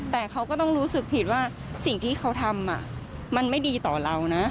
แต่เขาก็ต้องรู้สึกผิดว่าสิ่งที่เขาทำมันไม่ดีต่อเรานะ